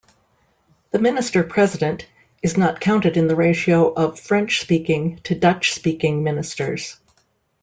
The Minister-President is not counted in the ratio of French-speaking to Dutch-speaking ministers.